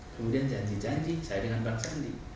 kemudian janji janji saya dengan bang sandi